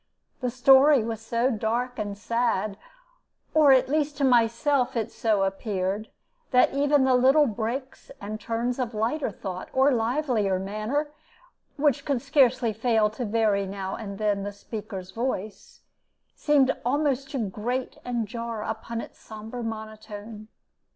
The story was so dark and sad or at least to myself it so appeared that even the little breaks and turns of lighter thought or livelier manner, which could scarcely fail to vary now and then the speaker's voice, seemed almost to grate and jar upon its sombre monotone.